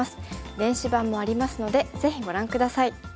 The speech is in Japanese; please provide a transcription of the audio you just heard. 電子版もありますのでぜひご覧下さい。